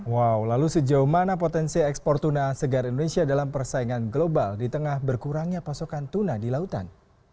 wow lalu sejauh mana potensi ekspor tuna segar indonesia dalam persaingan global di tengah berkurangnya pasokan tuna di lautan